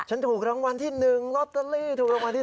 ถูกรางวัลที่๑ลอตเตอรี่ถูกรางวัลที่๑